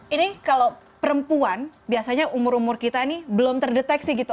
ini kalau perempuan biasanya umur umur kita ini belum terdeteksi gitu